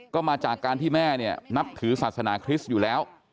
ก็มาจากการที่แม่เนี่ยนับถือศาสนาคริสต์อยู่แล้ว